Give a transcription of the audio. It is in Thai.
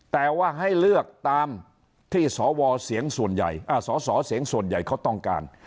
แต่ว่าให้เลือกตามที่สวเสียงส่วนใหญ่เขาต้องการ